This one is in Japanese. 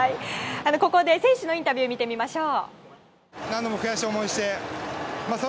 ここで選手のインタビューを見てみましょう。